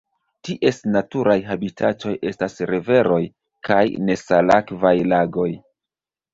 Ties naturaj habitatoj estas riveroj kaj nesalakvaj lagoj.